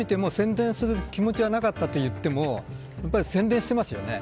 ただ、どう見ても宣伝する気持ちはなかったといってもやっぱり宣伝していますよね。